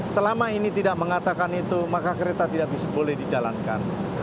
selama ini tidak mengatakan itu maka kereta tidak bisa boleh dijalankan